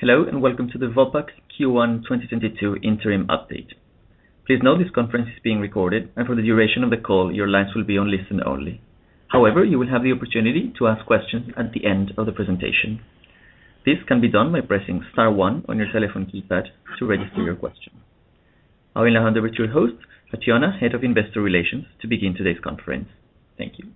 Hello, and welcome to the Vopak Q1 2022 Interim Update. Please note this conference is being recorded, and for the duration of the call, your lines will be on listen only. However, you will have the opportunity to ask questions at the end of the presentation. This can be done by pressing star one on your telephone keypad to register your question. I will now hand over to your host, Fatjona, Head of Investor Relations, to begin today's conference. Thank you.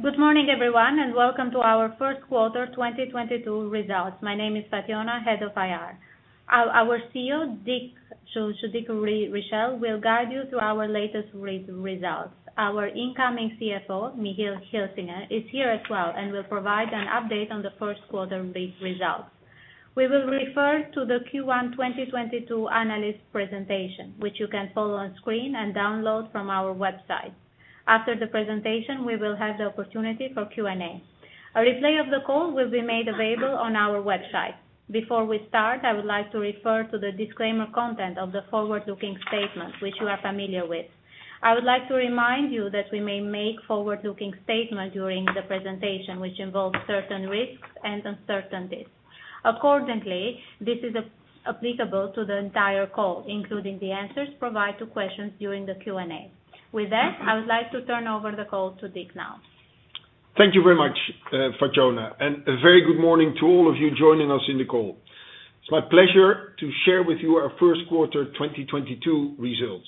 Good morning, everyone, and welcome to our Q1 2022 results. My name is Fatjona, Head of IR. Our CEO, Dick Richelle, will guide you through our latest results. Our incoming CFO, Michiel Gilsing, is here as well and will provide an update on the first quarter results. We will refer to the Q1 2022 analyst presentation, which you can follow on screen and download from our website. After the presentation, we will have the opportunity for Q&A. A replay of the call will be made available on our website. Before we start, I would like to refer to the disclaimer content of the forward-looking statement, which you are familiar with. I would like to remind you that we may make forward-looking statements during the presentation which involve certain risks and uncertainties. Accordingly, this is applicable to the entire call, including the answers provided to questions during the Q&A. With that, I would like to turn over the call to Dick now. Thank you very much, Fatjona, and a very good morning to all of you joining us in the call. It's my pleasure to share with you our first quarter 2022 results.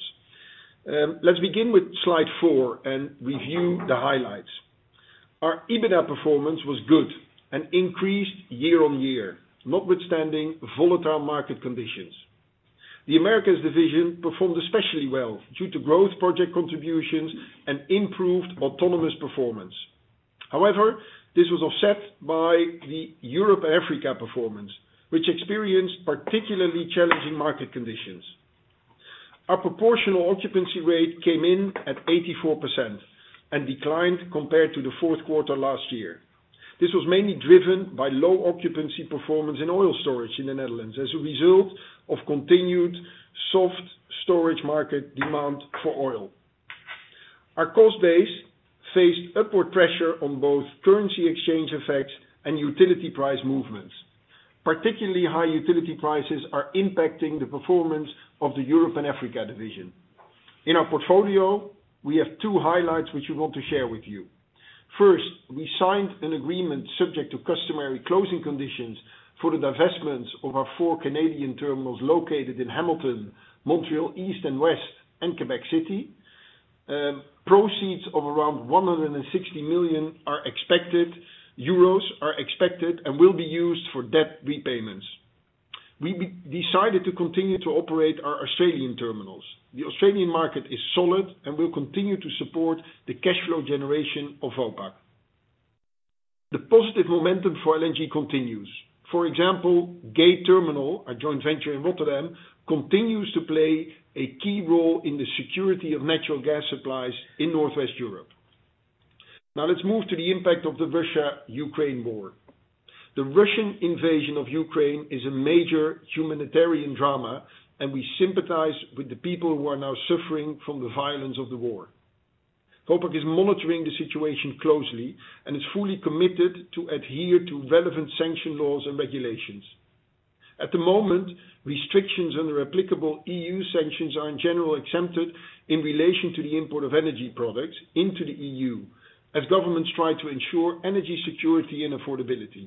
Let's begin with Slide 4 and review the highlights. Our EBITDA performance was good and increased year-on-year, notwithstanding volatile market conditions. The Americas division performed especially well due to growth project contributions and improved autonomous performance. However, this was offset by the Europe and Africa performance, which experienced particularly challenging market conditions. Our proportional occupancy rate came in at 84% and declined compared to the fourth quarter last year. This was mainly driven by low occupancy performance in oil storage in the Netherlands as a result of continued soft storage market demand for oil. Our cost base faced upward pressure on both currency exchange effects and utility price movements. Particularly high utility prices are impacting the performance of the Europe and Africa division. In our portfolio, we have two highlights which we want to share with you. First, we signed an agreement subject to customary closing conditions for the divestment of our four Canadian terminals located in Hamilton, Montreal, East and West, and Quebec City. Proceeds of around 160 million are expected, euros are expected and will be used for debt repayments. We decided to continue to operate our Australian terminals. The Australian market is solid and will continue to support the cash flow generation of Vopak. The positive momentum for LNG continues. For example, Gate Terminal, our joint venture in Rotterdam, continues to play a key role in the security of natural gas supplies in Northwest Europe. Now let's move to the impact of the Russia-Ukraine war. The Russian invasion of Ukraine is a major humanitarian drama, and we sympathize with the people who are now suffering from the violence of the war. Vopak is monitoring the situation closely and is fully committed to adhere to relevant sanction laws and regulations. At the moment, restrictions under applicable EU sanctions are in general exempted in relation to the import of energy products into the EU as governments try to ensure energy security and affordability.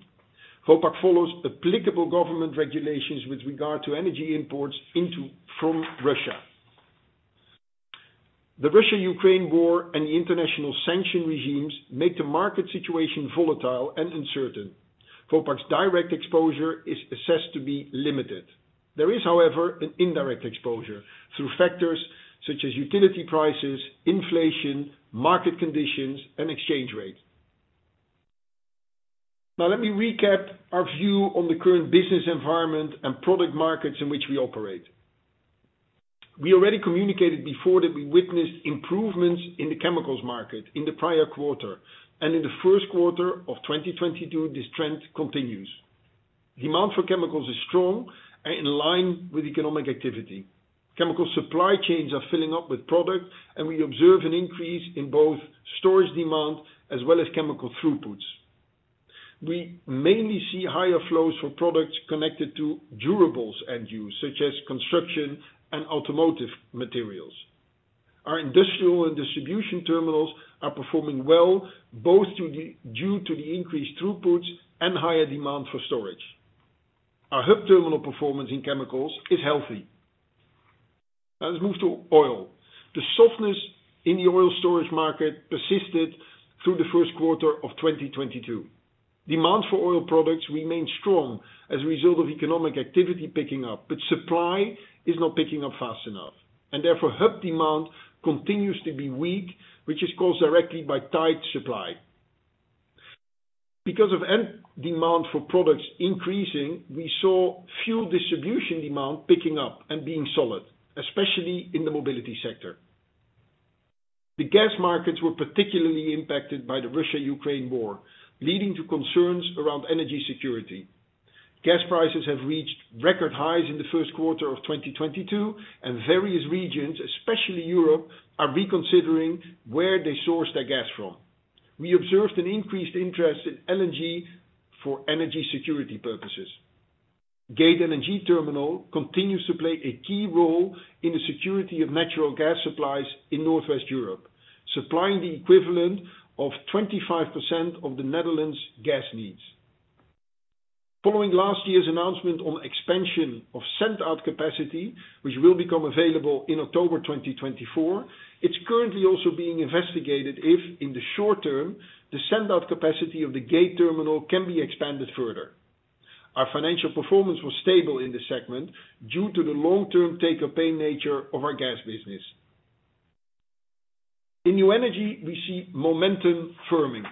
Vopak follows applicable government regulations with regard to energy imports from Russia. The Russia-Ukraine war and the international sanction regimes make the market situation volatile and uncertain. Vopak's direct exposure is assessed to be limited. There is, however, an indirect exposure through factors such as utility prices, inflation, market conditions, and exchange rate. Now let me recap our view on the current business environment and product markets in which we operate. We already communicated before that we witnessed improvements in the chemicals market in the prior quarter, and in the first quarter of 2022, this trend continues. Demand for chemicals is strong and in line with economic activity. Chemical supply chains are filling up with product, and we observe an increase in both storage demand as well as chemical throughputs. We mainly see higher flows for products connected to durables end use, such as construction and automotive materials. Our industrial and distribution terminals are performing well, due to the increased throughputs and higher demand for storage. Our hub terminal performance in chemicals is healthy. Now let's move to oil. The softness in the oil storage market persisted through the first quarter of 2022. Demand for oil products remained strong as a result of economic activity picking up, but supply is not picking up fast enough. Therefore, hub demand continues to be weak, which is caused directly by tight supply. Because of end demand for products increasing, we saw fuel distribution demand picking up and being solid, especially in the mobility sector. The gas markets were particularly impacted by the Russia-Ukraine war, leading to concerns around energy security. Gas prices have reached record highs in the first quarter of 2022, and various regions, especially Europe, are reconsidering where they source their gas from. We observed an increased interest in LNG for energy security purposes. Gate terminal continues to play a key role in the security of natural gas supplies in Northwest Europe, supplying the equivalent of 25% of the Netherlands gas needs. Following last year's announcement on expansion of send-out capacity, which will become available in October 2024, it's currently also being investigated if in the short term, the send-out capacity of the Gate terminal can be expanded further. Our financial performance was stable in this segment due to the long-term take-or-pay nature of our gas business. In new energy, we see momentum firming.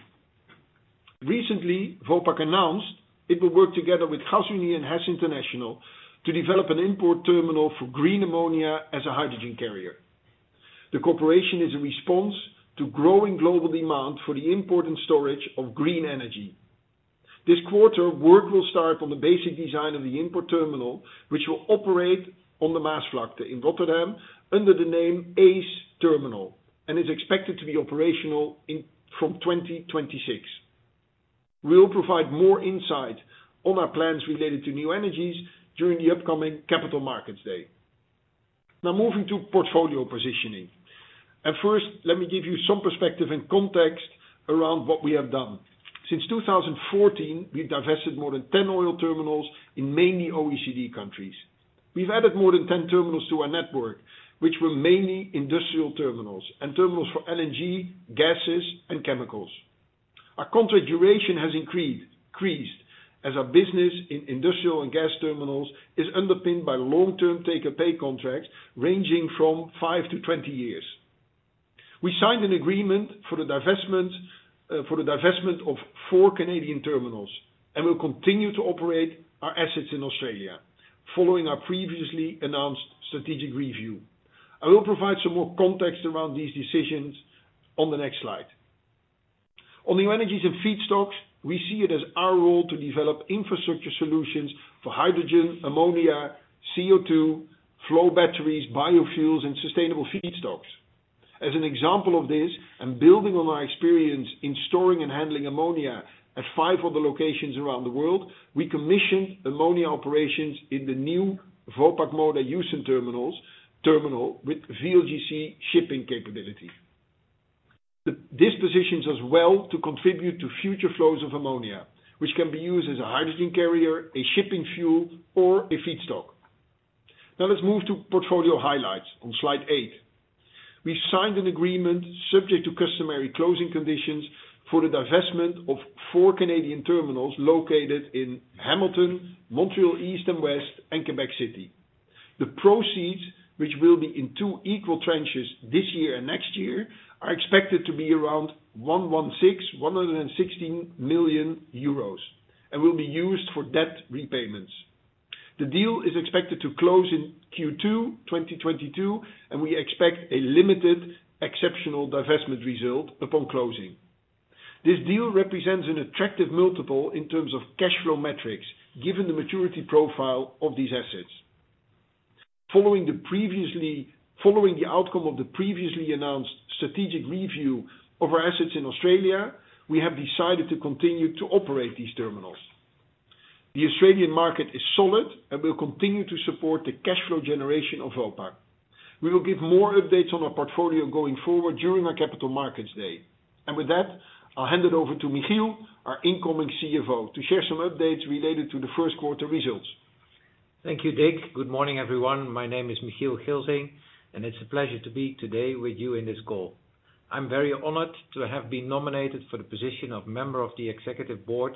Recently, Vopak announced it will work together with Gasunie and HES International to develop an import terminal for green ammonia as a hydrogen carrier. The cooperation is a response to growing global demand for the import and storage of green energy. This quarter, work will start on the basic design of the import terminal, which will operate on the Maasvlakte in Rotterdam under the name ACE Terminal, and is expected to be operational in 2026. We'll provide more insight on our plans related to new energies during the upcoming Capital Markets Day. Now moving to portfolio positioning, and first, let me give you some perspective and context around what we have done. Since 2014, we've divested more than 10 oil terminals in mainly OECD countries. We've added more than 10 terminals to our network, which were mainly industrial terminals and terminals for LNG, gases, and chemicals. Our contract duration has increased as our business in industrial and gas terminals is underpinned by long-term take-or-pay contracts ranging from 5-20 years. We signed an agreement for the divestment of four Canadian terminals, and we'll continue to operate our assets in Australia following our previously announced strategic review. I will provide some more context around these decisions on the next slide. On new energies and feedstocks, we see it as our role to develop infrastructure solutions for hydrogen, ammonia, CO2, flow batteries, biofuels, and sustainable feedstocks. As an example of this and building on our experience in storing and handling ammonia at five other locations around the world, we commissioned ammonia operations in the new Vopak Moda Houston terminal with VLGC shipping capability. This positions us well to contribute to future flows of ammonia, which can be used as a hydrogen carrier, a shipping fuel or a feedstock. Now let's move to portfolio highlights on Slide 8. We signed an agreement subject to customary closing conditions for the divestment of four Canadian terminals located in Hamilton, Montreal, East and West, and Quebec City. The proceeds, which will be in two equal tranches this year and next year, are expected to be around 116 million euros, and will be used for debt repayments. The deal is expected to close in Q2 2022, and we expect a limited exceptional divestment result upon closing. This deal represents an attractive multiple in terms of cash flow metrics given the maturity profile of these assets. Following the outcome of the previously announced strategic review of our assets in Australia, we have decided to continue to operate these terminals. The Australian market is solid and will continue to support the cash flow generation of Vopak. We will give more updates on our portfolio going forward during our Capital Markets Day. With that, I'll hand it over to Michiel, our incoming CFO, to share some updates related to the first quarter results. Thank you, Dick. Good morning, everyone. My name is Michiel Gilsing, and it's a pleasure to be today with you in this call. I'm very honored to have been nominated for the position of member of the Executive Board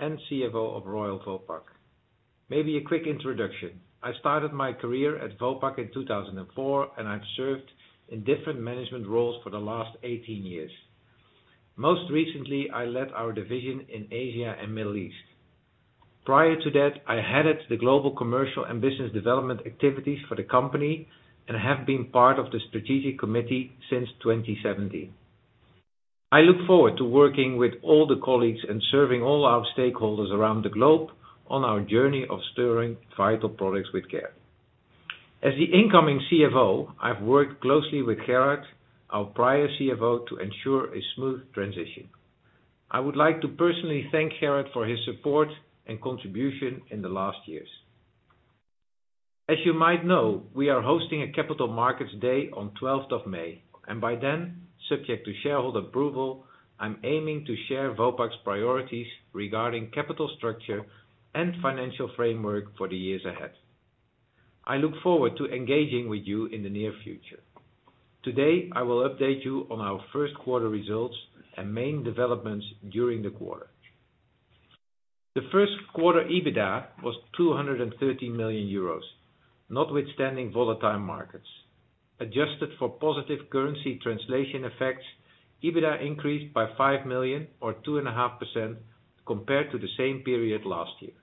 and CFO of Royal Vopak. Maybe a quick introduction. I started my career at Vopak in 2004, and I've served in different management roles for the last 18 years. Most recently, I led our division in Asia and Middle East. Prior to that, I headed the global commercial and business development activities for the company and have been part of the Strategic Committee since 2017. I look forward to working with all the colleagues and serving all our stakeholders around the globe on our journey of storing vital products with care. As the incoming CFO, I've worked closely with Gerrit, our prior CFO, to ensure a smooth transition. I would like to personally thank Gerrit for his support and contribution in the last years. As you might know, we are hosting a Capital Markets Day on twelfth of May, and by then, subject to shareholder approval, I'm aiming to share Vopak's priorities regarding capital structure and financial framework for the years ahead. I look forward to engaging with you in the near future. Today, I will update you on our first quarter results and main developments during the quarter. The first quarter EBITDA was 230 million euros, notwithstanding volatile markets. Adjusted for positive currency translation effects, EBITDA increased by 5 million or 2.5% compared to the same period last year.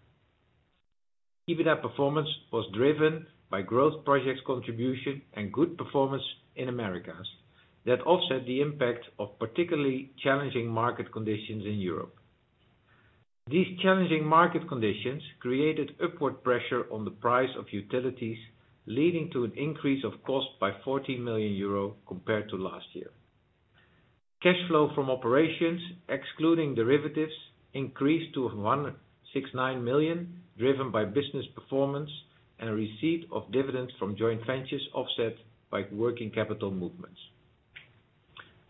EBITDA performance was driven by growth projects contribution and good performance in Americas that offset the impact of particularly challenging market conditions in Europe. These challenging market conditions created upward pressure on the price of utilities, leading to an increase of cost by 40 million euro compared to last year. Cash flow from operations, excluding derivatives, increased to 169 million, driven by business performance and a receipt of dividends from joint ventures offset by working capital movements.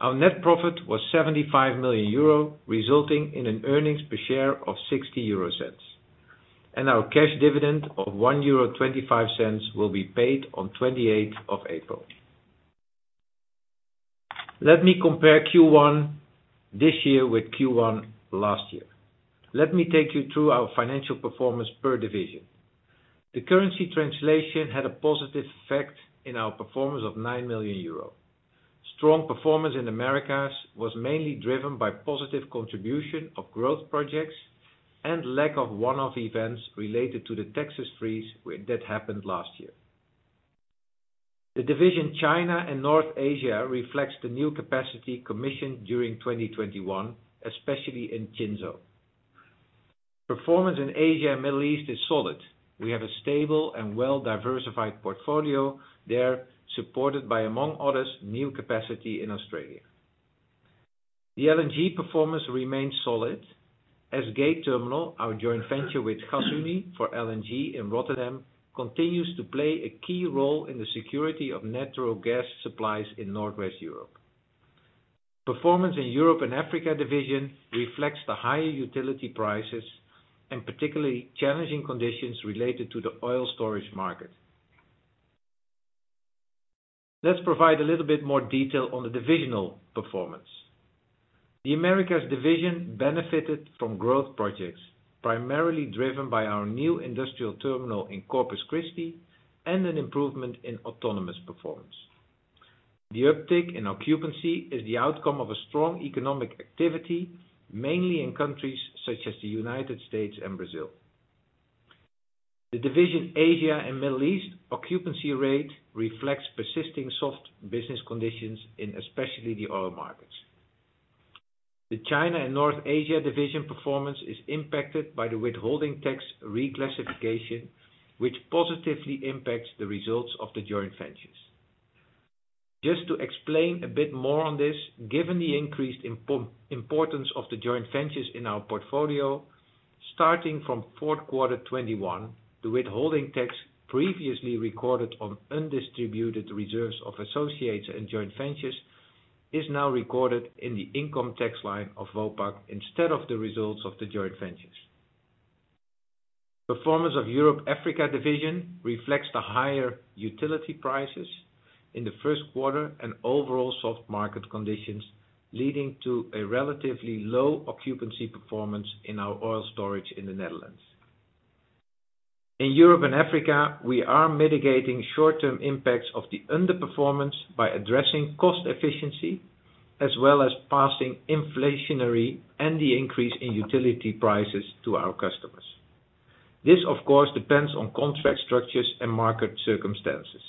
Our net profit was 75 million euro, resulting in an earnings per share of 0.60. Our cash dividend of 1.25 euro will be paid on 28 of April. Let me compare Q1 this year with Q1 last year. Let me take you through our financial performance per division. The currency translation had a positive effect in our performance of 9 million euro. Strong performance in Americas was mainly driven by positive contribution of growth projects and lack of one-off events related to the Texas freeze that happened last year. The division China and North Asia reflects the new capacity commissioned during 2021, especially in Jinzhou. Performance in Asia and Middle East is solid. We have a stable and well-diversified portfolio there, supported by, among others, new capacity in Australia. The LNG performance remains solid as Gate Terminal, our joint venture with Gasunie for LNG in Rotterdam, continues to play a key role in the security of natural gas supplies in Northwest Europe. Performance in Europe and Africa division reflects the higher utility prices and particularly challenging conditions related to the oil storage market. Let's provide a little bit more detail on the divisional performance. The Americas Division benefited from growth projects, primarily driven by our new industrial terminal in Corpus Christi and an improvement in autonomous performance. The uptick in occupancy is the outcome of a strong economic activity, mainly in countries such as the United States and Brazil. The Asia and Middle East Division occupancy rate reflects persisting soft business conditions in, especially, the oil markets. The China and North Asia Division performance is impacted by the withholding tax reclassification, which positively impacts the results of the joint ventures. Just to explain a bit more on this, given the increased importance of the joint ventures in our portfolio, starting from fourth quarter 2021, the withholding tax previously recorded on undistributed reserves of associates and joint ventures is now recorded in the income tax line of Vopak instead of the results of the joint ventures. Performance of Europe & Africa division reflects the higher utility prices in the first quarter and overall soft market conditions, leading to a relatively low occupancy performance in our oil storage in the Netherlands. In Europe and Africa, we are mitigating short-term impacts of the underperformance by addressing cost efficiency as well as passing inflationary and the increase in utility prices to our customers. This, of course, depends on contract structures and market circumstances.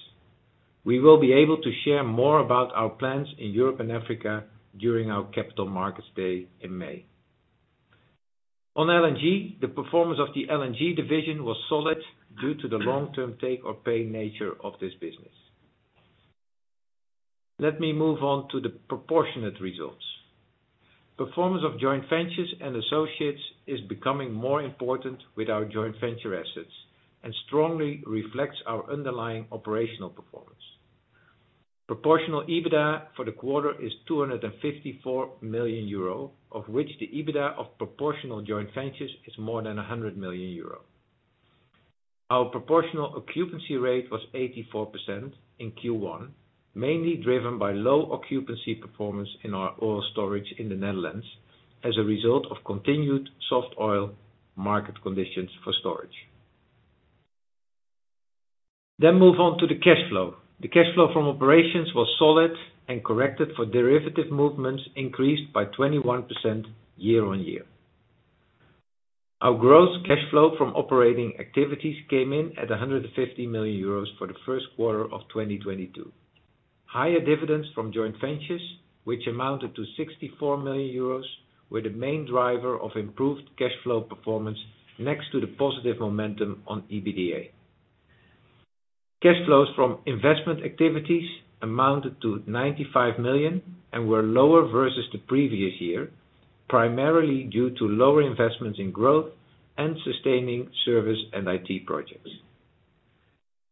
We will be able to share more about our plans in Europe and Africa during our Capital Markets Day in May. On LNG, the performance of the LNG division was solid due to the long-term take-or-pay nature of this business. Let me move on to the proportionate results. Performance of joint ventures and associates is becoming more important with our joint venture assets and strongly reflects our underlying operational performance. Proportional EBITDA for the quarter is 254 million euro, of which the EBITDA of proportional joint ventures is more than 100 million euro. Our proportional occupancy rate was 84% in Q1, mainly driven by low occupancy performance in our oil storage in the Netherlands as a result of continued soft oil market conditions for storage. Move on to the cash flow. The cash flow from operations was solid and corrected for derivative movements increased by 21% year-on-year. Our gross cash flow from operating activities came in at 150 million euros for the first quarter of 2022. Higher dividends from joint ventures, which amounted to 64 million euros, were the main driver of improved cash flow performance next to the positive momentum on EBITDA. Cash flows from investment activities amounted to 95 million and were lower versus the previous year, primarily due to lower investments in growth and sustaining service and IT projects.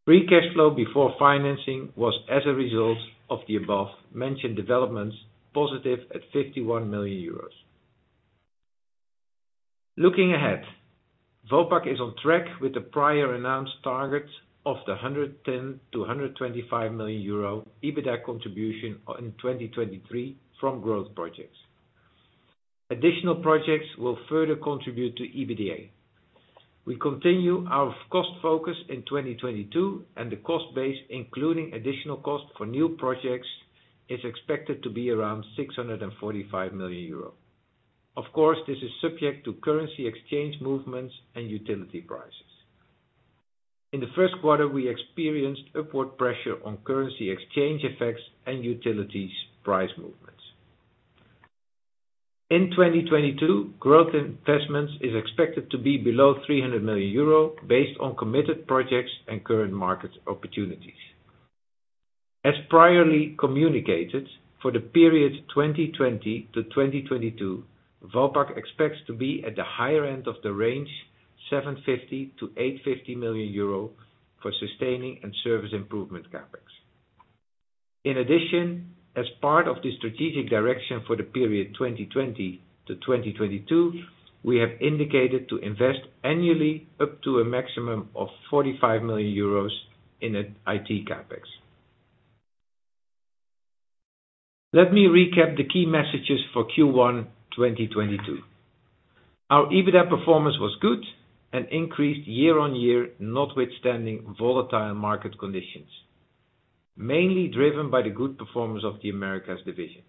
Free cash flow before financing was as a result of the above-mentioned developments, positive at 51 million euros. Looking ahead, Vopak is on track with the prior announced target of 110 million-125 million euro EBITDA contribution in 2023 from growth projects. Additional projects will further contribute to EBITDA. We continue our cost focus in 2022, and the cost base, including additional cost for new projects, is expected to be around 645 million euro. Of course, this is subject to currency exchange movements and utility prices. In the first quarter, we experienced upward pressure on currency exchange effects and utilities price movements. In 2022, growth investments is expected to be below 300 million euro based on committed projects and current market opportunities. As priorly communicated, for the period 2020 to 2022, Vopak expects to be at the higher end of the range 750 million-850 million euro for sustaining and service improvement CapEx. In addition, as part of the strategic direction for the period 2020 to 2022, we have indicated to invest annually up to a maximum of 45 million euros in IT CapEx. Let me recap the key messages for Q1 2022. Our EBITDA performance was good and increased year-on-year, notwithstanding volatile market conditions, mainly driven by the good performance of the Americas division.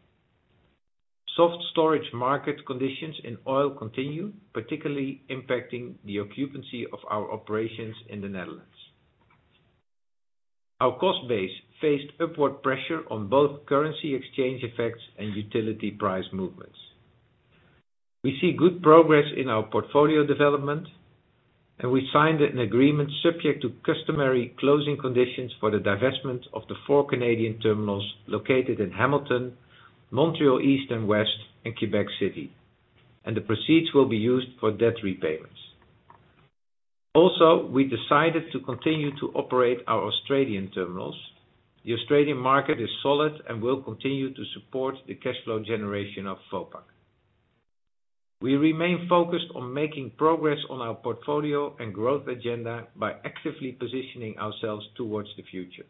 Soft storage market conditions in oil continue, particularly impacting the occupancy of our operations in the Netherlands. Our cost base faced upward pressure on both currency exchange effects and utility price movements. We see good progress in our portfolio development, and we signed an agreement subject to customary closing conditions for the divestment of the four Canadian terminals located in Hamilton, Montreal, East and West, and Quebec City, and the proceeds will be used for debt repayments. We decided to continue to operate our Australian terminals. The Australian market is solid and will continue to support the cash flow generation of Vopak. We remain focused on making progress on our portfolio and growth agenda by actively positioning ourselves towards the future.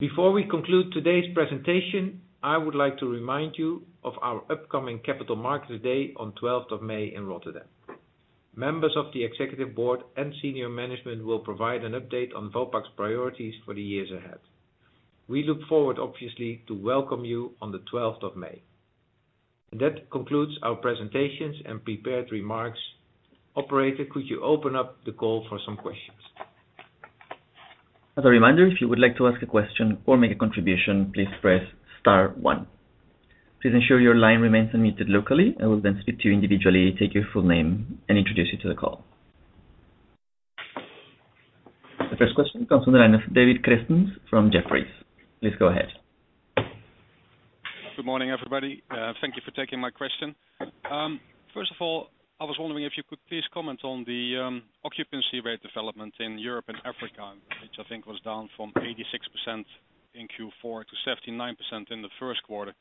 Before we conclude today's presentation, I would like to remind you of our upcoming Capital Markets Day on 12th of May in Rotterdam. Members of the executive board and senior management will provide an update on Vopak's priorities for the years ahead. We look forward, obviously, to welcome you on the 12th of May. That concludes our presentations and prepared remarks. Operator, could you open up the call for some questions? As a reminder, if you would like to ask a question or make a contribution, please press star one. Please ensure your line remains unmuted locally. I will then speak to you individually, take your full name and introduce you to the call. The first question comes from the line of David Kerstens from Jefferies. Please go ahead. Good morning, everybody. Thank you for taking my question. First of all, I was wondering if you could please comment on the occupancy rate development in Europe and Africa, which I think was down from 86% in Q4 to 79% in the first quarter.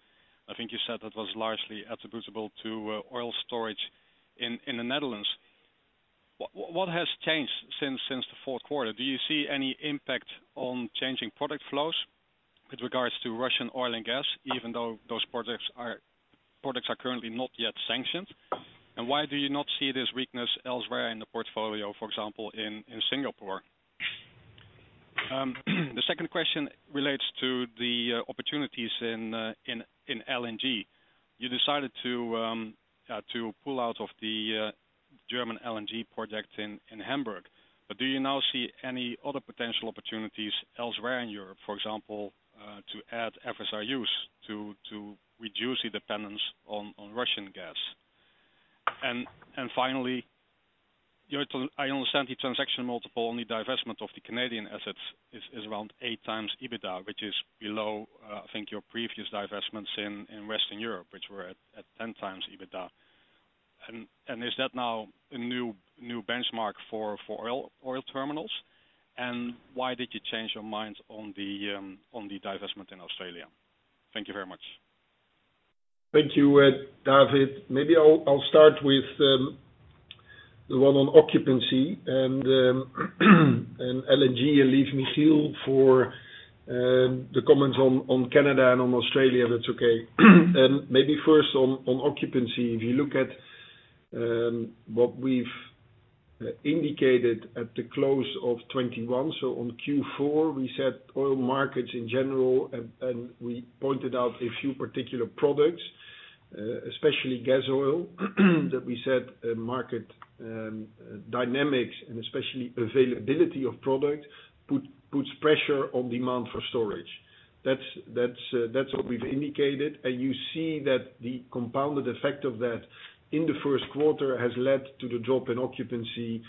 I think you said that was largely attributable to oil storage in the Netherlands. What has changed since the fourth quarter? Do you see any impact on changing product flows with regards to Russian oil and gas, even though those products are currently not yet sanctioned? And why do you not see this weakness elsewhere in the portfolio, for example, in Singapore? The second question relates to the opportunities in LNG. You decided to pull out of the German LNG project in Brunsbüttel. Do you now see any other potential opportunities elsewhere in Europe, for example, to add FSRU to reduce the dependence on Russian gas? Finally, I understand the transaction multiple on the divestment of the Canadian assets is around 8x EBITDA, which is below, I think your previous divestments in Western Europe, which were at 10x EBITDA. Is that now a new benchmark for oil terminals? Why did you change your mind on the divestment in Australia? Thank you very much. Thank you, David. Maybe I'll start with the one on occupancy and LNG and leave Michiel for the comments on Canada and on Australia, if that's okay. Maybe first on occupancy. If you look at what we've indicated at the close of 2021, so on Q4, we said oil markets in general, and we pointed out a few particular products, especially gas oil, that we said market dynamics and especially availability of product puts pressure on demand for storage. That's what we've indicated. You see that the compounded effect of that in the first quarter has led to the drop in occupancy,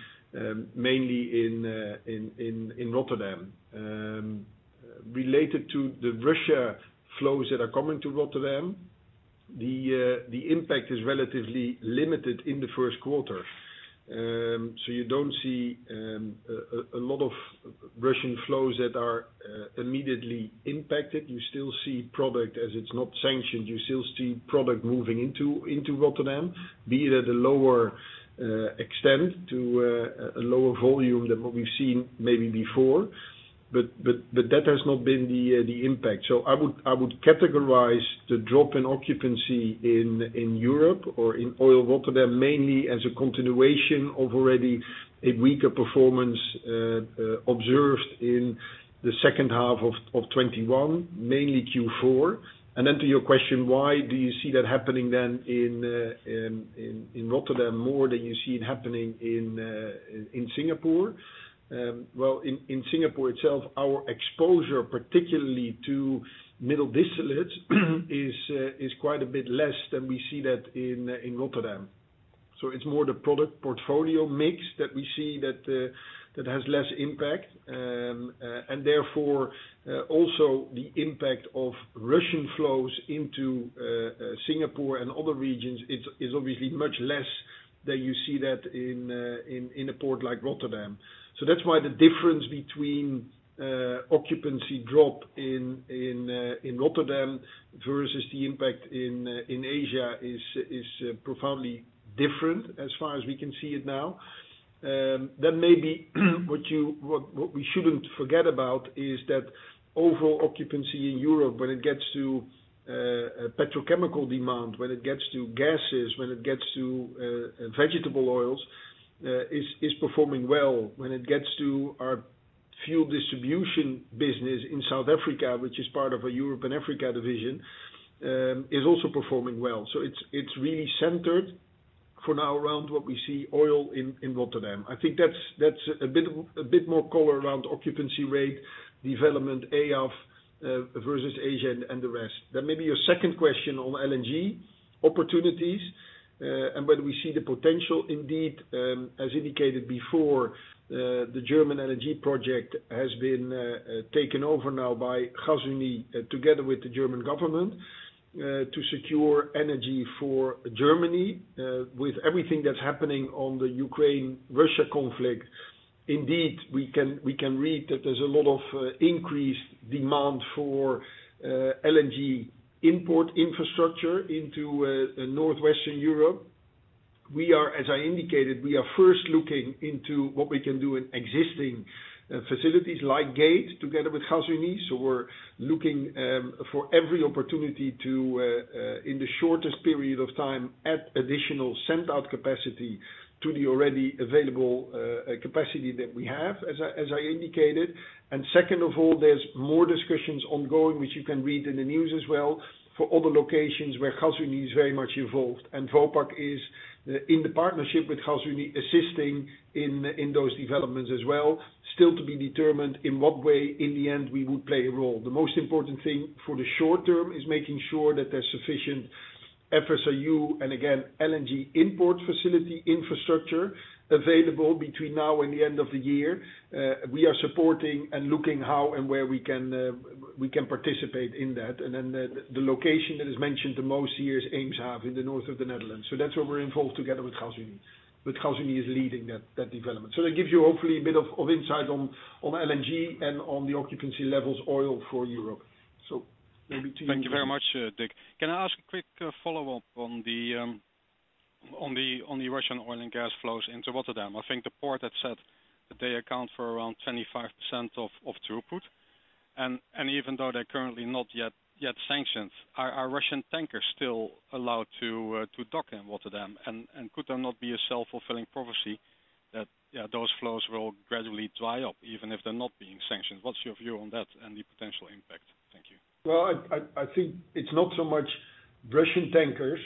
mainly in Rotterdam. Related to the Russian flows that are coming to Rotterdam, the impact is relatively limited in the first quarter. You don't see a lot of Russian flows that are immediately impacted. You still see product, as it's not sanctioned, you still see product moving into Rotterdam, be it at a lower extent to a lower volume than what we've seen maybe before. That has not been the impact. I would categorize the drop in occupancy in Europe or in oil Rotterdam mainly as a continuation of already a weaker performance observed in the second half of 2021, mainly Q4. And to your question, why do you see that happening then in Rotterdam more than you see it happening in Singapore? Well, in Singapore itself, our exposure, particularly to middle distillates, is quite a bit less than we see that in Rotterdam. It's more the product portfolio mix that we see that has less impact. Therefore, also the impact of Russian flows into Singapore and other regions is obviously much less than you see that in a port like Rotterdam. That's why the difference between occupancy drop in Rotterdam versus the impact in Asia is profoundly different as far as we can see it now. Maybe what we shouldn't forget about is that overall occupancy in Europe, when it gets to petrochemical demand, when it gets to gases, when it gets to vegetable oils, is performing well. When it gets to our fuel distribution business in South Africa, which is part of our Europe and Africa division, is also performing well. It's really centered for now around what we see oil in Rotterdam. I think that's a bit more color around occupancy rate development as of versus Asia and the rest. Maybe your second question on LNG opportunities and whether we see the potential. Indeed, as indicated before, the German LNG project has been taken over now by Gasunie together with the German government to secure energy for Germany. With everything that's happening on the Ukraine-Russia conflict, indeed we can read that there's a lot of increased demand for LNG import infrastructure into northwestern Europe. We are, as I indicated, first looking into what we can do in existing facilities like Gate together with Gasunie. We're looking for every opportunity to in the shortest period of time add additional send-out capacity to the already available capacity that we have, as I indicated. Second of all, there's more discussions ongoing, which you can read in the news as well, for other locations where Gasunie is very much involved. Vopak is in the partnership with Gasunie, assisting in those developments as well. Still to be determined in what way in the end we would play a role. The most important thing for the short term is making sure that there's sufficient FSRU and again, LNG import facility infrastructure available between now and the end of the year. We are supporting and looking how and where we can participate in that. The location that is mentioned the most here is Eemshaven in the north of the Netherlands. That's where we're involved together with Gasunie, but Gasunie is leading that development. That gives you hopefully a bit of insight on LNG and on the occupancy levels for oil in Europe. Maybe to you, David Kerstens. Thank you very much, Dick. Can I ask a quick follow-up on the Russian oil and gas flows into Rotterdam? I think the port had said that they account for around 25% of throughput. Even though they're currently not yet sanctioned, are Russian tankers still allowed to dock in Rotterdam? Could there not be a self-fulfilling prophecy that those flows will gradually dry up even if they're not being sanctioned? What's your view on that and the potential impact? Thank you. Well, I think it's not so much Russian tankers,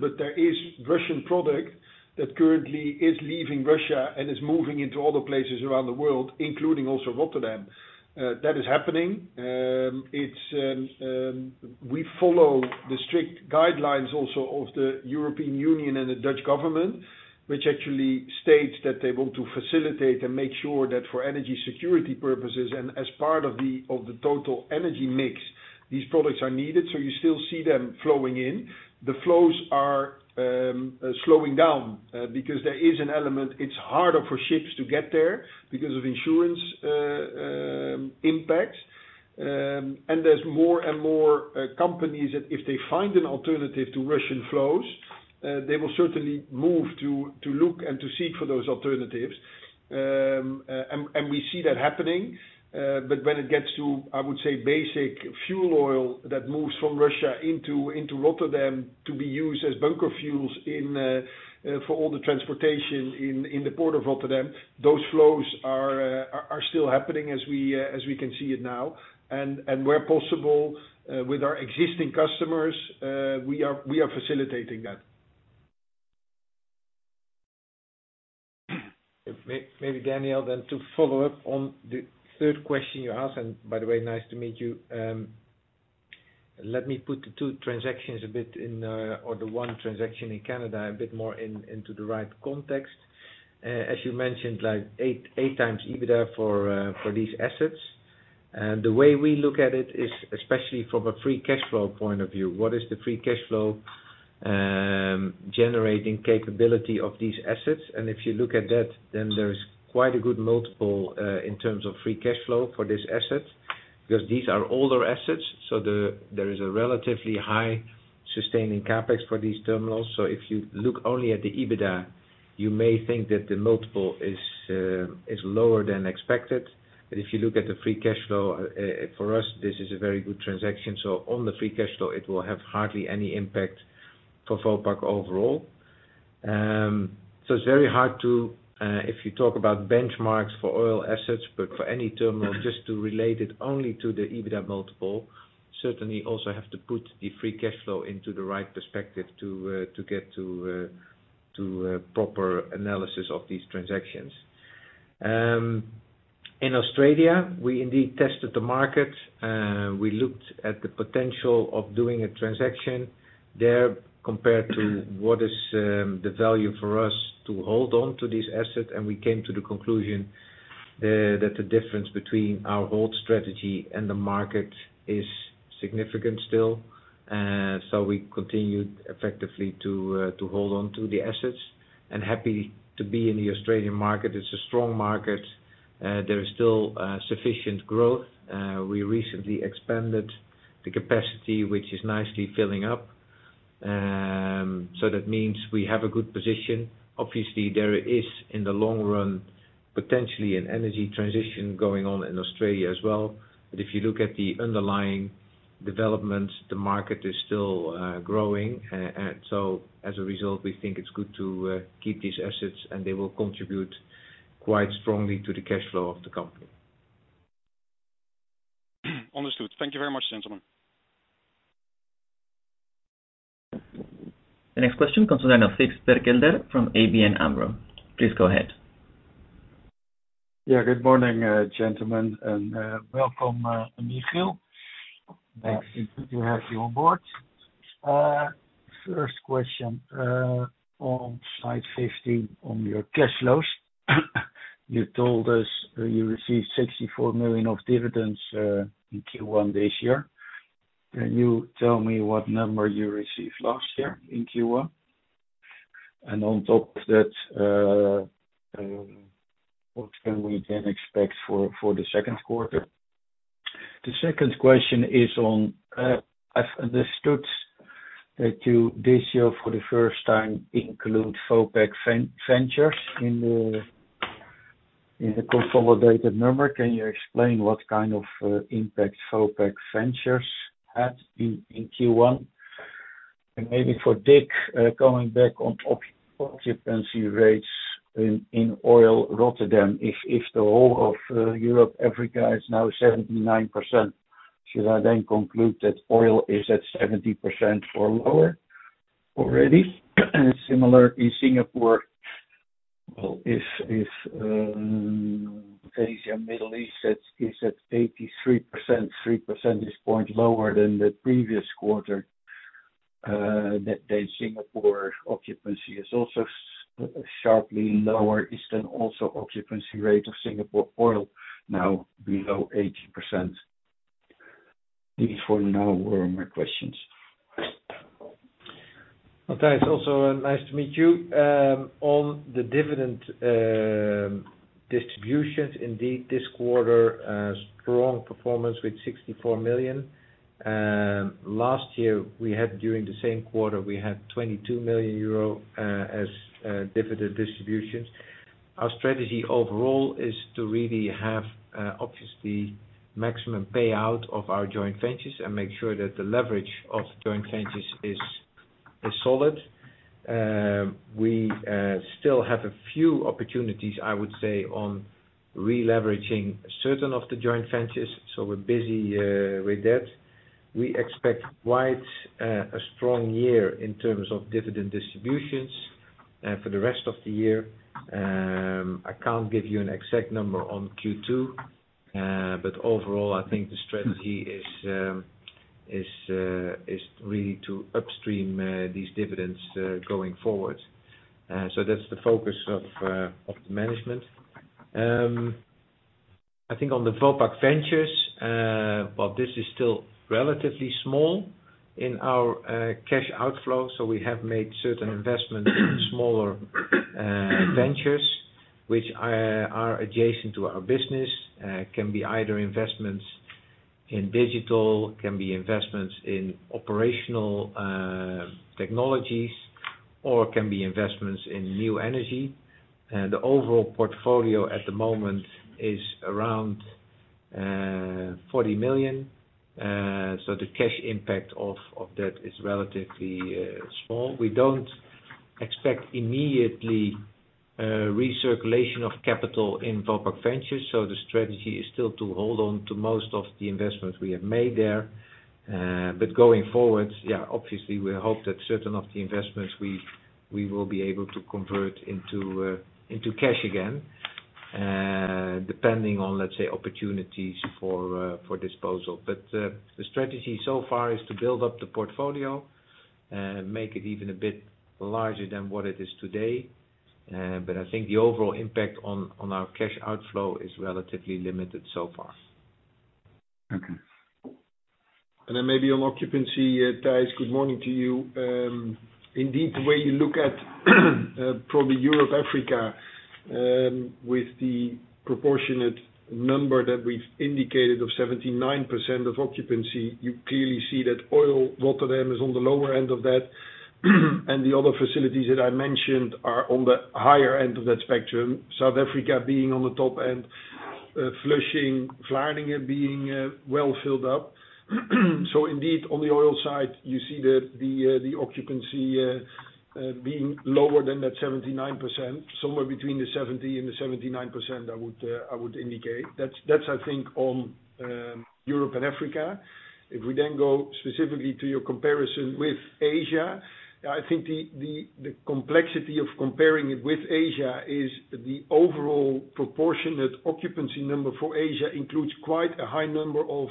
but there is Russian product that currently is leaving Russia and is moving into other places around the world, including also Rotterdam. That is happening. We follow the strict guidelines also of the European Union and the Dutch government, which actually states that they want to facilitate and make sure that for energy security purposes and as part of the total energy mix, these products are needed. You still see them flowing in. The flows are slowing down because there is an element, it's harder for ships to get there because of insurance impacts. There's more and more companies that if they find an alternative to Russian flows, they will certainly move to look and to seek for those alternatives. We see that happening. When it gets to, I would say, basic fuel oil that moves from Russia into Rotterdam to be used as bunker fuels for all the transportation in the port of Rotterdam, those flows are still happening as we can see it now. Where possible, with our existing customers, we are facilitating that. Maybe David then to follow up on the third question you asked, and by the way, nice to meet you. Let me put the two transactions a bit in, or the one transaction in Canada a bit more in, into the right context. As you mentioned, like 8 times EBITDA for these assets. The way we look at it is especially from a free cash flow point of view. What is the free cash flow generating capability of these assets? If you look at that, then there's quite a good multiple, in terms of free cash flow for this asset. Because these are older assets, so there is a relatively high sustaining CapEx for these terminals. So if you look only at the EBITDA, you may think that the multiple is lower than expected. If you look at the free cash flow, for us, this is a very good transaction. On the free cash flow, it will have hardly any impact for Vopak overall. It's very hard to, if you talk about benchmarks for oil assets, but for any terminal, just to relate it only to the EBITDA multiple. Certainly also have to put the free cash flow into the right perspective to get to a proper analysis of these transactions. In Australia, we indeed tested the market. We looked at the potential of doing a transaction there compared to what is the value for us to hold on to this asset, and we came to the conclusion that the difference between our hold strategy and the market is significant still. We continued effectively to hold on to the assets and happy to be in the Australian market. It's a strong market. There is still sufficient growth. We recently expanded the capacity, which is nicely filling up. That means we have a good position. Obviously, there is, in the long run, potentially an energy transition going on in Australia as well. If you look at the underlying developments, the market is still growing. As a result, we think it's good to keep these assets, and they will contribute quite strongly to the cash flow of the company. Understood. Thank you very much, gentlemen. The next question comes from Thijs Berkelder from ABN AMRO. Please go ahead. Yeah. Good morning, gentlemen, and welcome, Michiel. Thanks. It's good to have you on board. First question, on Slide 15 on your cash flows. You told us that you received 64 million of dividends in Q1 this year. Can you tell me what number you received last year in Q1? On top of that, what can we then expect for the second quarter? The second question is on, I've understood that you, this year, for the first time, include Vopak's Ventures in the consolidated number. Can you explain what kind of impact Vopak Ventures had in Q1? Maybe for Dick, going back on occupancy rates in oil Rotterdam, if the whole of Europe, Africa is now 79%, should I then conclude that oil is at 70% or lower already? Similar in Singapore, if Asia and Middle East is at 83%, three percentage point lower than the previous quarter, then Singapore occupancy is also sharply lower. Is then also occupancy rate of Singapore oil now below 80%? These for now were my questions. Well, thanks. Also, nice to meet you. On the dividend distributions, indeed, this quarter, a strong performance with 64 million. Last year, during the same quarter, we had 22 million euro as dividend distributions. Our strategy overall is to really have, obviously, maximum payout of our joint ventures and make sure that the leverage of joint ventures is solid. We still have a few opportunities, I would say, on releveraging certain of the joint ventures, so we're busy with that. We expect quite a strong year in terms of dividend distributions for the rest of the year. I can't give you an exact number on Q2, but overall, I think the strategy is really to upstream these dividends going forward. That's the focus of the management. I think on the Vopak Ventures, well, this is still relatively small in our cash outflow, so we have made certain investments in smaller ventures which are adjacent to our business. Can be either investments in digital, can be investments in operational technologies, or can be investments in new energy. The overall portfolio at the moment is around 40 million. The cash impact of that is relatively small. We don't expect immediately recirculation of capital in Vopak Ventures, so the strategy is still to hold on to most of the investments we have made there. Going forward, yeah, obviously, we hope that certain of the investments we will be able to convert into cash again, depending on, let's say, opportunities for disposal. The strategy so far is to build up the portfolio, make it even a bit larger than what it is today. I think the overall impact on our cash outflow is relatively limited so far. Okay. Maybe on occupancy, Thijs, good morning to you. Indeed, the way you look at probably Europe, Africa, with the proportionate number that we've indicated of 79% occupancy, you clearly see that oil, Rotterdam is on the lower end of that. The other facilities that I mentioned are on the higher end of that spectrum, South Africa being on the top end. Vlissingen, Vlaardingen being well filled up. Indeed on the oil side, you see the occupancy being lower than that 79%, somewhere between 70% and 79%, I would indicate. That's I think on Europe and Africa. If we then go specifically to your comparison with Asia, I think the complexity of comparing it with Asia is the overall proportionate occupancy number for Asia includes quite a high number of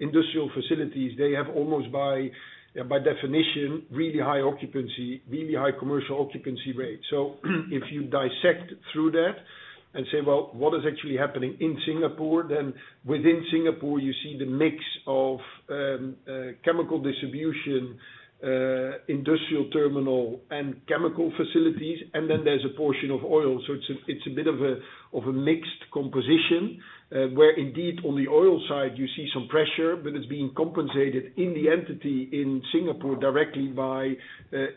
industrial facilities. They have almost by definition really high occupancy, really high commercial occupancy rate. If you dissect through that and say, well, what is actually happening in Singapore, then within Singapore you see the mix of chemical distribution, industrial terminal and chemical facilities, and then there's a portion of oil. It's a bit of a mixed composition, where indeed on the oil side you see some pressure, but it's being compensated in the entity in Singapore directly by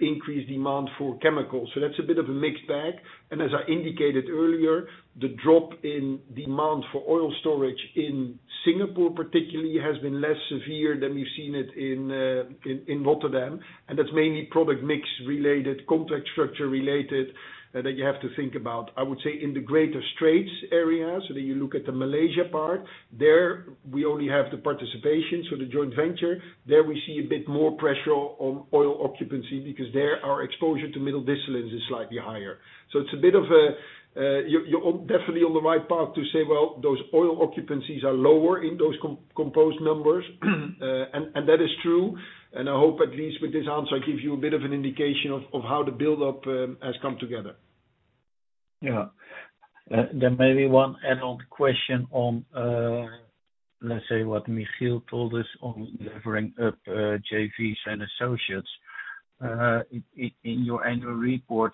increased demand for chemicals. That's a bit of a mixed bag. As I indicated earlier, the drop in demand for oil storage in Singapore particularly has been less severe than we've seen it in Rotterdam. That's mainly product mix related, contract structure related, that you have to think about. I would say in the greater Straits area, so then you look at the Malaysia part. There, we only have the participation, so the joint venture. There we see a bit more pressure on oil occupancy because there our exposure to middle distillates is slightly higher. It's a bit of a, you're definitely on the right path to say, well, those oil occupancies are lower in those composed numbers. And that is true, and I hope at least with this answer I give you a bit of an indication of how the build up has come together. Yeah, maybe one add-on question on what Michiel told us on delivering up JVs and associates. In your annual report,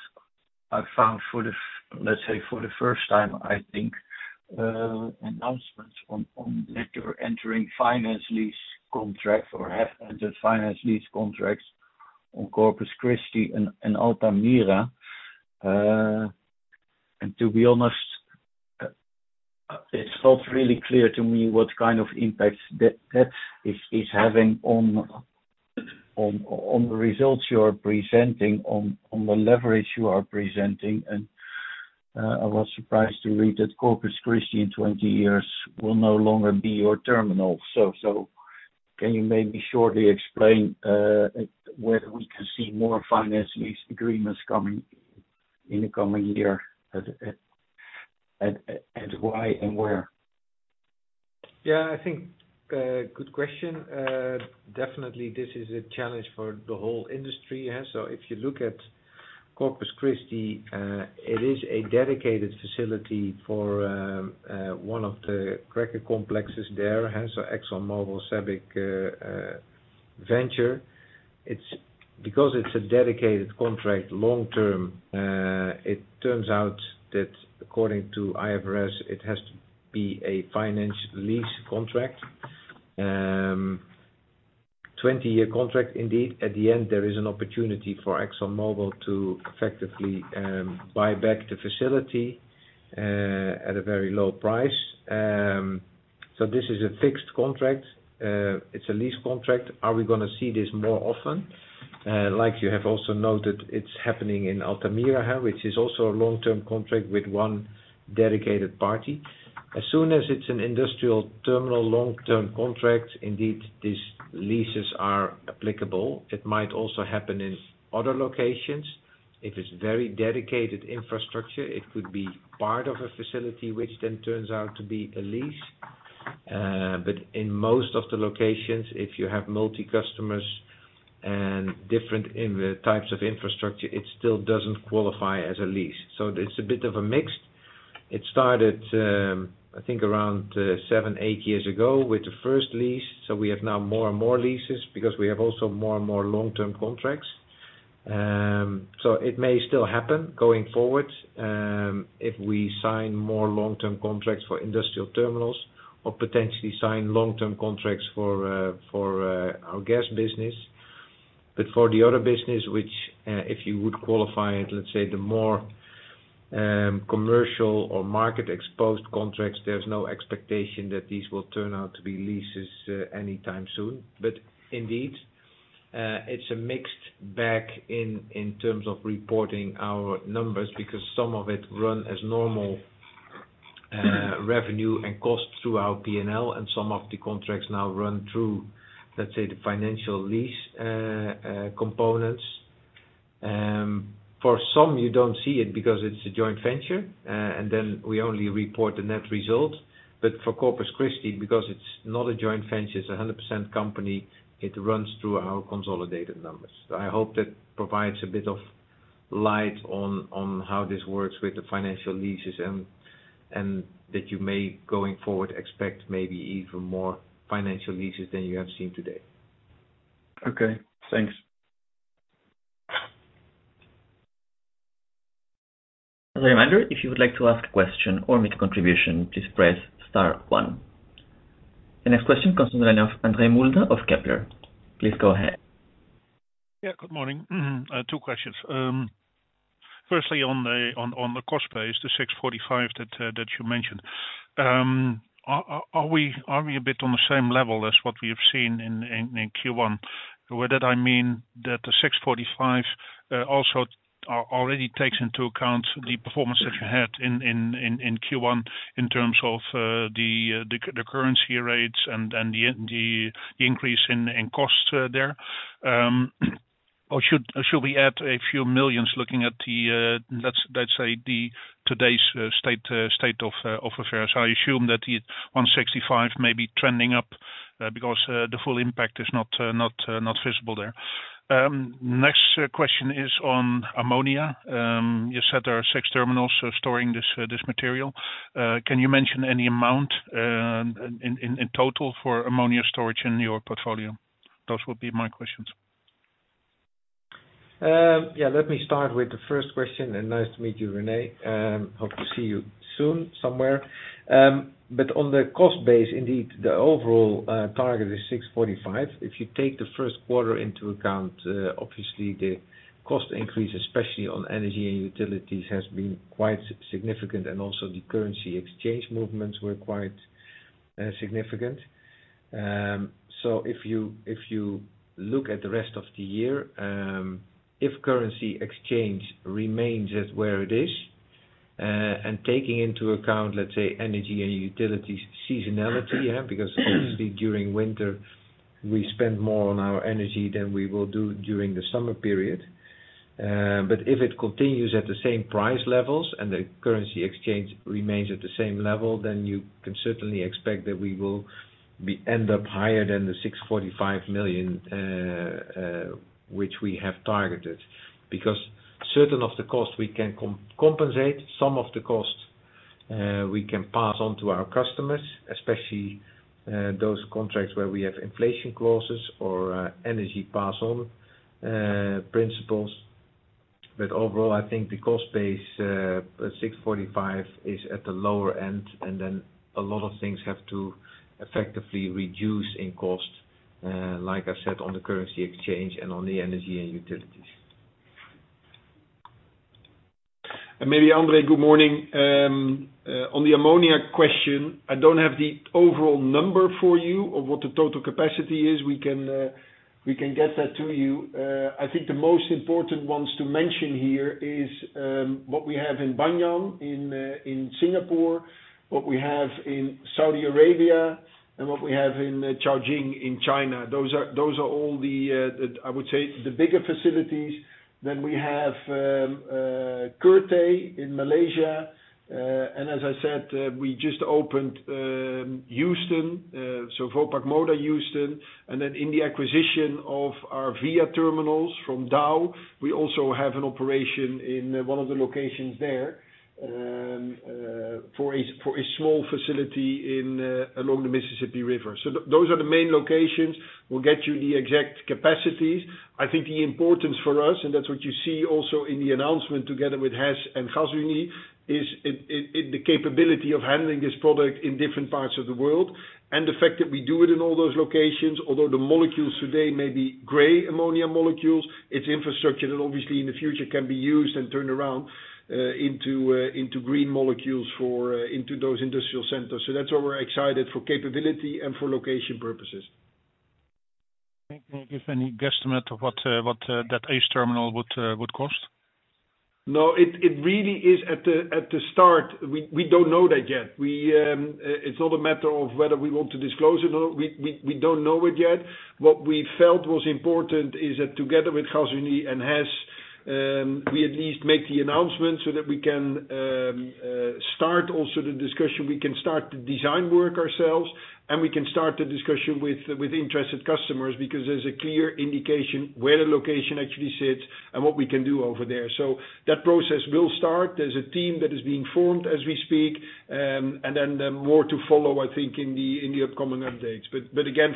I found for the first time, I think, announcements on that you're entering finance lease contracts or have entered finance lease contracts on Corpus Christi and Altamira. To be honest, it's not really clear to me what kind of impact that is having on the results you are presenting, on the leverage you are presenting. I was surprised to read that Corpus Christi in 20 years will no longer be your terminal. Can you maybe shortly explain whether we can see more finance lease agreements coming in the coming year, and why and where? Yeah, I think, good question. Definitely this is a challenge for the whole industry. If you look at Corpus Christi, it is a dedicated facility for one of the cracker complexes there, ExxonMobil, SABIC, venture. It's because it's a dedicated contract long term, it turns out that according to IFRS, it has to be a finance lease contract. 20-year contract, indeed. At the end, there is an opportunity for ExxonMobil to effectively buy back the facility at a very low price. This is a fixed contract. It's a lease contract. Are we gonna see this more often? Like you have also noted, it's happening in Altamira, which is also a long-term contract with one dedicated party. As soon as it's an industrial terminal long-term contract, indeed these leases are applicable. It might also happen in other locations. If it's very dedicated infrastructure, it could be part of a facility which then turns out to be a lease. In most of the locations, if you have multiple customers and different types of infrastructure, it still doesn't qualify as a lease. It's a bit of a mix. It started, I think around 7, 8 years ago with the first lease. We have now more and more leases because we have also more and more long-term contracts. It may still happen going forward, if we sign more long-term contracts for industrial terminals or potentially sign long-term contracts for our gas business. For the other business, which, if you would qualify it, let's say the more commercial or market exposed contracts, there's no expectation that these will turn out to be leases anytime soon. Indeed, it's a mixed bag in terms of reporting our numbers, because some of it run as normal revenue and costs through our P&L, and some of the contracts now run through, let's say, the financial lease components. For some you don't see it because it's a joint venture, and then we only report the net result. For Corpus Christi, because it's not a joint venture, it's a 100% company, it runs through our consolidated numbers. I hope that provides a bit of light on how this works with the financial leases and that you may, going forward, expect maybe even more financial leases than you have seen today. Okay, thanks. As a reminder, if you would like to ask a question or make a contribution, please press star one. The next question comes from the line of Andre Mulder of Kepler. Please go ahead. Yeah, good morning. Two questions. Firstly, on the cost base, the 645 that you mentioned. Are we a bit on the same level as what we have seen in Q1? With that I mean that the 645 also already takes into account the performance that you had in Q1 in terms of the currency rates and the increase in costs there. Or should we add a few million EUR looking at the, let's say today's state of affairs? I assume that the 165 may be trending up because the full impact is not visible there. Next question is on ammonia. You said there are six terminals storing this material. Can you mention any amount in total for ammonia storage in your portfolio? Those would be my questions. Let me start with the first question, and nice to meet you, Andre. Hope to see you soon somewhere. On the cost base, indeed, the overall target is 645. If you take the first quarter into account, obviously the cost increase, especially on energy and utilities, has been quite significant, and also the currency exchange movements were quite significant. If you look at the rest of the year, if currency exchange remains at where it is, and taking into account, let's say, energy and utilities seasonality. Because obviously during winter we spend more on our energy than we will do during the summer period. If it continues at the same price levels and the currency exchange remains at the same level, then you can certainly expect that we will end up higher than the 645 million, which we have targeted. Because certain of the costs we can compensate, some of the costs we can pass on to our customers, especially those contracts where we have inflation clauses or energy pass on principles. Overall, I think the cost base at 645 is at the lower end, and then a lot of things have to effectively reduce in cost, like I said, on the currency exchange and on the energy and utilities. Maybe Andre, good morning. On the ammonia question, I don't have the overall number for you of what the total capacity is. We can get that to you. I think the most important ones to mention here is what we have in Banyan, in Singapore, what we have in Saudi Arabia, and what we have in Zhangjiagang in China. Those are all the, I would say, the bigger facilities. We have Kertih in Malaysia. As I said, we just opened Houston, so Vopak Moda Houston. In the acquisition of our VPIA terminals from Dow, we also have an operation in one of the locations there, for a small facility along the Mississippi River. Those are the main locations. We'll get you the exact capacities. I think the importance for us, and that's what you see also in the announcement together with HES and Gasunie, is the capability of handling this product in different parts of the world and the fact that we do it in all those locations, although the molecules today may be gray ammonia molecules. It's infrastructure that obviously in the future can be used and turned around into green molecules for into those industrial centers. That's why we're excited for capability and for location purposes. Okay. Can you give any guesstimate of what that ACE Terminal would cost? No, it really is at the start. We don't know that yet. It's not a matter of whether we want to disclose or not. We don't know it yet. What we felt was important is that together with Gasunie and HES, we at least make the announcement so that we can start also the discussion. We can start the design work ourselves, and we can start the discussion with interested customers, because there's a clear indication where the location actually sits and what we can do over there. That process will start. There's a team that is being formed as we speak, and then more to follow, I think, in the upcoming updates.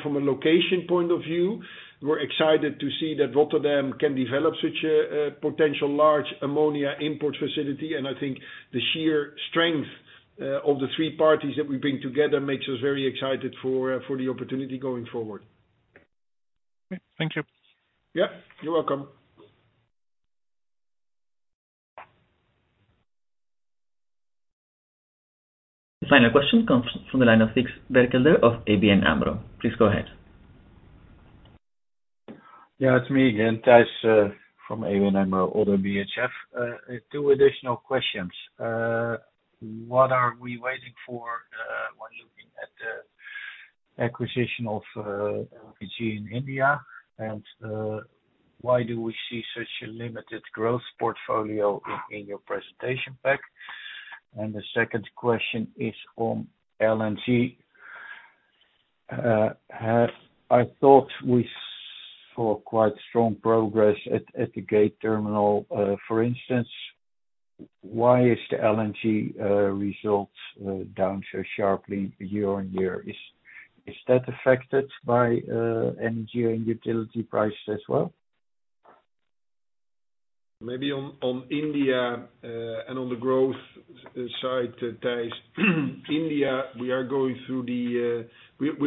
From a location point of view, we're excited to see that Rotterdam can develop such a potential large ammonia import facility. I think the sheer strength of the three parties that we bring together makes us very excited for the opportunity going forward. Okay. Thank you. Yeah, you're welcome. The final question comes from the line of Thijs Berkelder of ABN AMRO. Please go ahead. Yeah, it's me again, Thijs from ABN AMRO-ODDO BHF. Two additional questions. What are we waiting for when looking at the acquisition of LPG in India? And why do we see such a limited growth portfolio in your presentation pack? The second question is on LNG. I thought we saw quite strong progress at the Gate terminal. For instance, why is the LNG results down so sharply year on year? Is that affected by energy and utility prices as well? Maybe on India and on the growth side, Thijs. India. We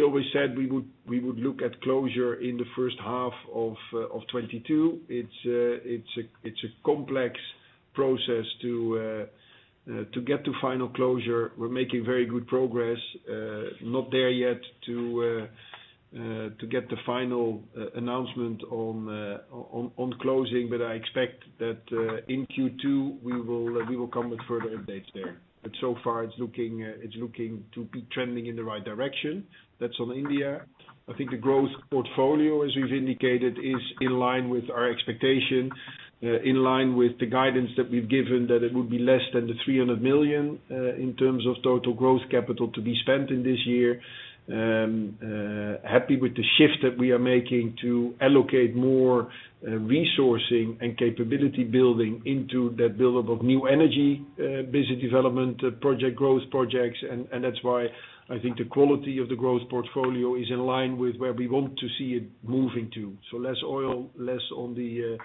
always said we would look at closure in the first half of 2022. It's a complex process to get to final closure. We're making very good progress. Not there yet to get the final announcement on closing. I expect that in Q2, we will come with further updates there. So far, it's looking to be trending in the right direction. That's on India. I think the growth portfolio, as we've indicated, is in line with our expectation, in line with the guidance that we've given, that it would be less than 300 million, in terms of total growth capital to be spent in this year. Happy with the shift that we are making to allocate more resourcing and capability building into that build-up of new energy business development, project growth projects. And that's why I think the quality of the growth portfolio is in line with where we want to see it moving to. Less oil, less on the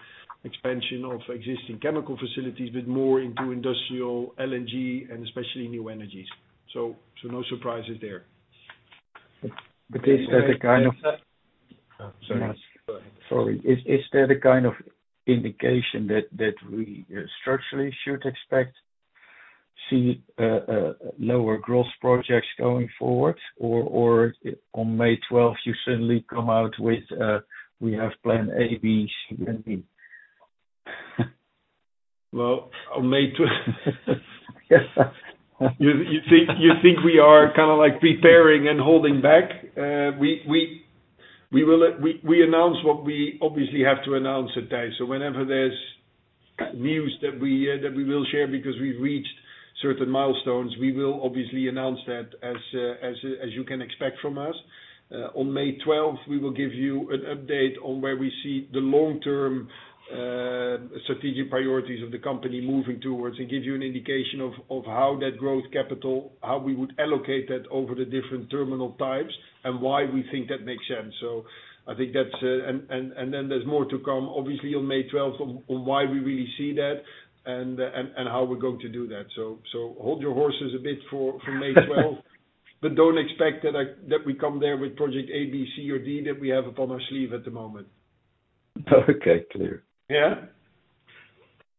expansion of existing chemical facilities, but more into industrial LNG and especially new energies. No surprises there. But is that the kind of- Sorry. Go ahead. Sorry. Is there the kind of indication that we structurally should expect to see lower growth projects going forward? On May 12th you certainly come out with we have plan A, B, C, and D? Well, you think we are kinda like preparing and holding back? We will announce what we obviously have to announce today. Whenever there's news that we will share because we've reached certain milestones, we will obviously announce that as you can expect from us. On May 12th, we will give you an update on where we see the long-term strategic priorities of the company moving towards and give you an indication of how that growth capital, how we would allocate that over the different terminal types and why we think that makes sense. I think that's it. There's more to come, obviously on May 12th on why we really see that and how we're going to do that. Hold your horses a bit for May 12th. Don't expect that we come there with project A, B, C, or D that we have up on our sleeve at the moment. Okay, clear.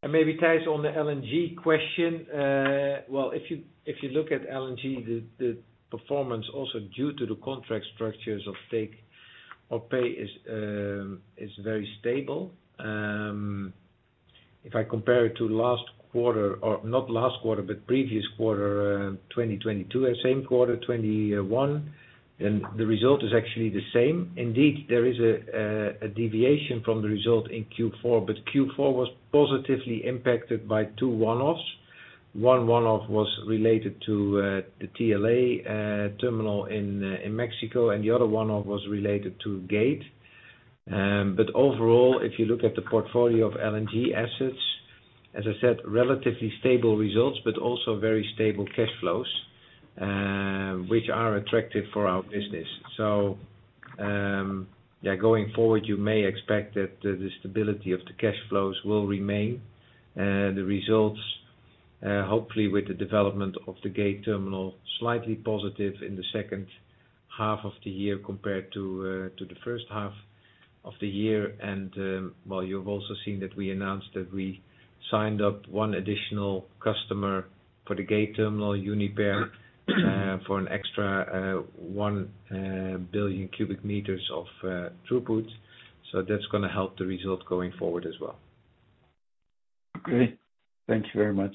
Yeah. Maybe, Thijs, on the LNG question, well, if you look at LNG, the performance also due to the contract structures of take-or-pay is very stable. If I compare it to last quarter, or not last quarter, but previous quarter, 2022, same quarter, 2021, then the result is actually the same. Indeed, there is a deviation from the result in Q4, but Q4 was positively impacted by two one-offs. One one-off was related to the Altamira terminal in Mexico, and the other one-off was related to Gate. But overall, if you look at the portfolio of LNG assets, as I said, relatively stable results, but also very stable cash flows, which are attractive for our business. Going forward, you may expect that the stability of the cash flows will remain. The results, hopefully with the development of the Gate terminal, slightly positive in the second half of the year compared to the first half of the year. You've also seen that we announced that we signed up one additional customer for the Gate terminal, Uniper, for an extra 1 billion cubic meters of throughput. That's gonna help the result going forward as well. Okay. Thank you very much.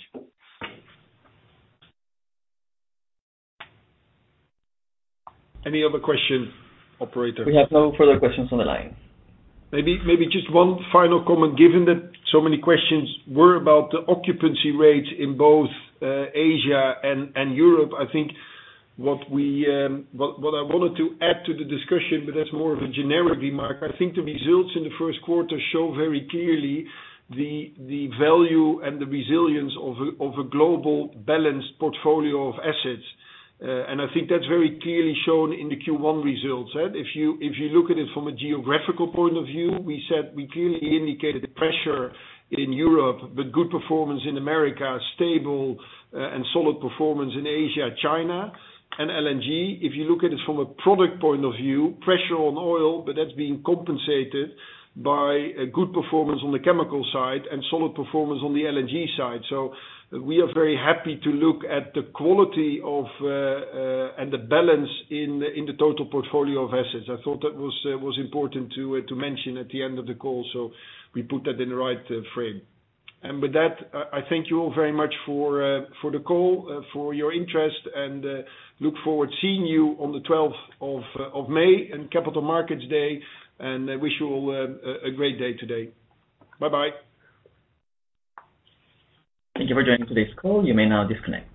Any other questions, operator? We have no further questions on the line. Maybe just one final comment, given that so many questions were about the occupancy rates in both Asia and Europe. I think what I wanted to add to the discussion, but that's more of a generic remark. I think the results in the first quarter show very clearly the value and the resilience of a global balanced portfolio of assets. I think that's very clearly shown in the Q1 results, right? If you look at it from a geographical point of view, we said we clearly indicated the pressure in Europe, but good performance in America, stable and solid performance in Asia, China and LNG. If you look at it from a product point of view, pressure on oil, but that's being compensated by a good performance on the chemical side and solid performance on the LNG side. We are very happy to look at the quality of, and the balance in the total portfolio of assets. I thought that was important to mention at the end of the call, so we put that in the right frame. With that, I thank you all very much for the call, for your interest, and look forward to seeing you on the 12th of May in Capital Markets Day. I wish you all a great day today. Bye-bye. Thank you for joining today's call. You may now disconnect.